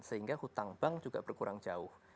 sehingga hutang bank juga berkurang jauh